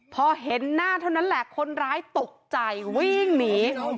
พอเห็นหน้าเท่านั้นแหละคนร้ายตกใจวิ่งหนี